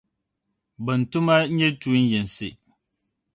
bɛn tuma nyɛ tuun’ yinsi.